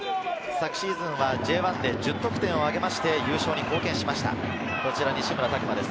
昨シーズンはＪ１で１０得点を挙げて優勝に貢献しました。